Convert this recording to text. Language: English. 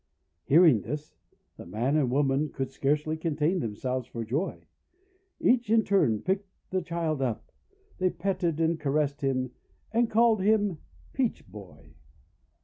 Hearing this, the man and woman could scarcely contain themselves for joy. Each in turn picked the child up. They petted and caressed him, and called him "Peach Boy."